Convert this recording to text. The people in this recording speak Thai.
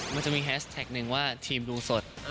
มันจะมีแฮชแท็กหนึ่งว่าทีมดูสด